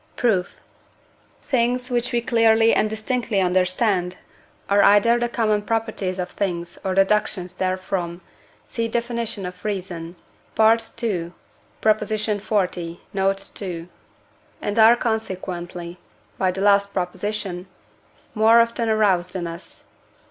Proof. Things, which we clearly and distinctly understand, are either the common properties of things or deductions therefrom (see definition of Reason, II. xl. note ii.), and are consequently (by the last Prop.) more often aroused in us.